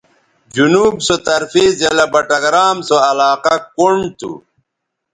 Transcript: جنوب سو طرفے ضلع بٹگرام سو علاقہ کنڈ تھو